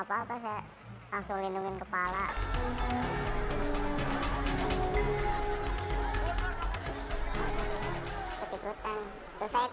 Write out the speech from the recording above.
langsung dibawa ke klinik